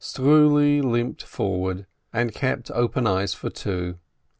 Struli limped forward, and kept open eyes for two.